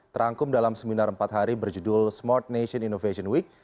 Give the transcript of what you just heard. terangkum dalam seminar empat hari berjudul smart nation innovation week